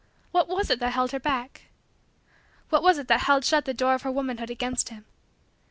What was it that held her back? What was it that held shut the door of her womanhood against him?